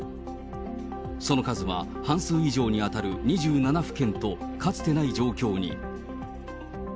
その数は半数以上に当たる２７府県とかつてない状況に。